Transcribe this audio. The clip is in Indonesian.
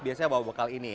biasanya bawa bekal ini